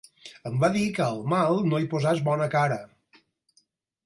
Em va dir que al mal no hi posés bona cara.